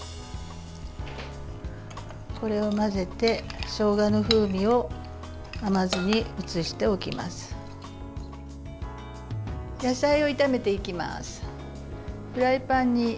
これを混ぜてしょうがの風味を甘酢に移しておきます。